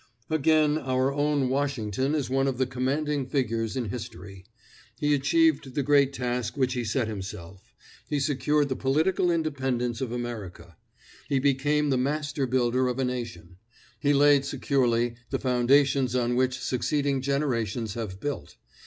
Again, our own Washington is one of the commanding figures in history. He achieved the great task which he set himself; he secured the political independence of America. He became the master builder of a nation; he laid securely the foundations on which succeeding generations have built.